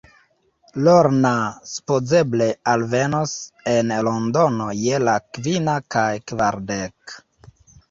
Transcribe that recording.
Lorna supozeble alvenos en Londono je la kvina kaj kvardek.